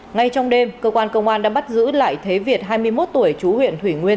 ngay trong đêm cơ quan công an đã bắt giữ lại thế việt hai mươi một tuổi chú huyện thủy nguyên